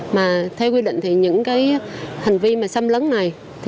mà theo quy định những hành vi xâm lấn này